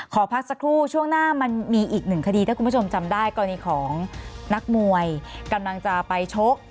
ขอพักสักครู่ช่วงหน้ามันมีอีกหนึ่งคดีถ้าคุณผู้ชมจำได้กรณีของนักมวยกำลังจะไปชก